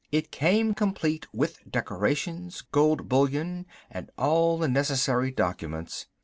It came complete with decorations, gold bullion, and all the necessary documents.